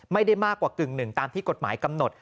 ไม่ได้มากกว่ากึ่งหนึ่งตามที่กฎหมายกำหนด